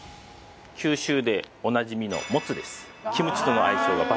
九州でおなじみのもつです